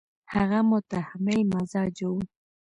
هغه متحمل مزاجه وو.